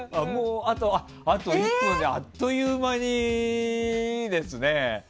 あ、あと１分であっという間ですね。